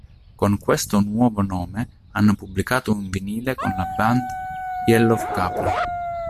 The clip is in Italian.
Con questa nuovo nome hanno pubblicato un vinile con la band Yellow Capra.